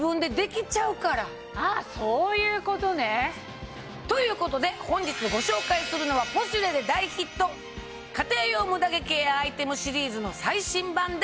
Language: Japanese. あそういうことね。ということで本日ご紹介するのは『ポシュレ』で大ヒット家庭用ムダ毛ケアアイテムシリーズの最新版です！